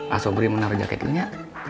a'a sobri menaruh jaket dulu ya